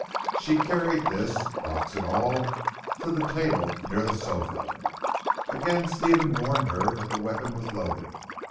She carried this, box and all, to a table near the sofa. Again Stephen warned her that the weapon was loaded.